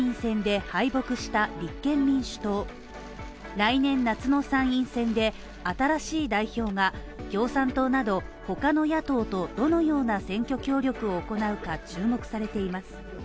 来年夏の参院選で、新しい代表が、共産党など他の野党とどのような選挙協力を行うか注目されています。